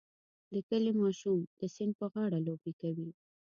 د کلي ماشوم د سیند په غاړه لوبې کوي.